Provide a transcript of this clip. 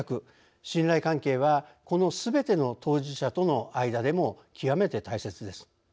信頼関係はこのすべての当事者との間でも極めて大切です。